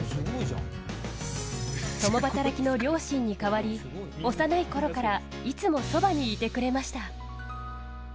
共働きの両親に代わり幼いころからいつもそばにいてくれました。